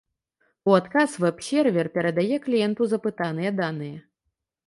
У адказ вэб-сервер перадае кліенту запытаныя даныя.